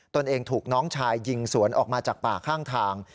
ตัวเองถูกน้องชายยิงสวนออกมาจากป่าข้างทาง